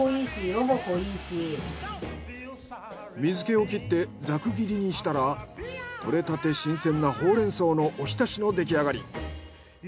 水けを切ってざく切りにしたら採れたて新鮮なホウレンソウのおひたしの出来上がり。